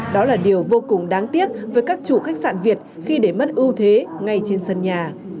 đó là điều vô cùng đáng tiếc với các chủ khách sạn việt khi để mất ưu thế ngay trên sân nhà